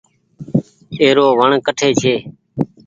اي رو وڻ ڪٺي ڇي۔